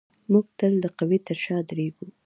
موږ تل د قوي تر شا درېږو.